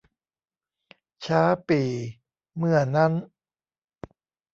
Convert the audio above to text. ช้าปี่ เมื่อนั้น